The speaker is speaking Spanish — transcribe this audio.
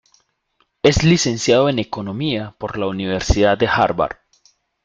Es licenciado en Economía por la Universidad de Harvard.